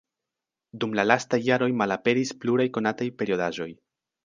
Dum la lastaj jaroj malaperis pluraj konataj periodaĵoj.